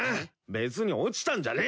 別に落ちたんじゃねえ！